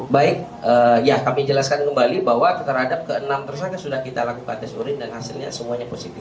baik ya kami jelaskan kembali bahwa terhadap ke enam tersangka sudah kita lakukan tes urin dan hasilnya semuanya positif